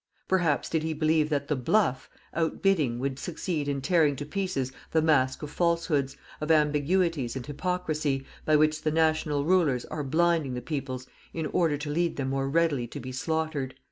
Perhaps did he believe that the "bluff" outbidding would succeed in tearing to pieces the mask of falsehoods, of ambiguities and hypocrisy, by which the national Rulers are blinding the peoples in order to lead them more readily to be slaughtered.